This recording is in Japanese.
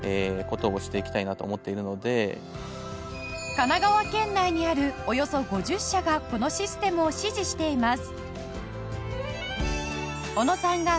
神奈川県内にあるおよそ５０社がこのシステムを支持しています